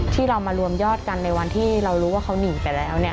ที่เรามารวมยอดกันในวันที่เรารู้ว่าเขาหนีไปแล้ว